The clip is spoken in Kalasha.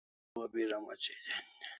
Sharu o bira mochai den